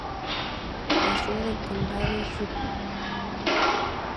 La sede del condado es Rugby.